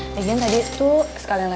lagi kan tadi tuh sekalian lewat